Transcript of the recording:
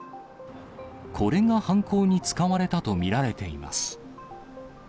これが犯行に使われたと見られています。